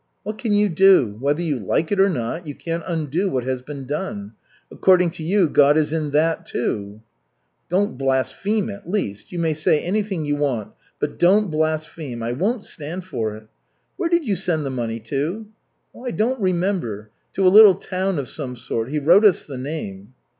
"What can you do? Whether you like it or not, you can't undo what has been done. According to you, God is in that, too." "Don't blaspheme at least. You may say anything you want, but don't blaspheme. I won't stand for it. Where did you send the money to?" "I don't remember. To a little town of some sort. He wrote us the name."